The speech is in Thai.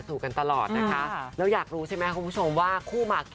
สุดท้ายแล้วพี่ว่าทุกคนจะแย่งกันรักลูกมาก